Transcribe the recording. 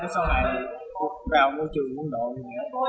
sau này vào ngôi trường quân đội